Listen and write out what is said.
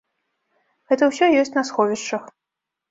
Гэта ўсё ёсць на сховішчах.